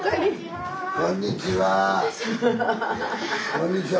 こんにちは。